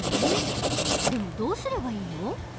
でもどうすればいいの？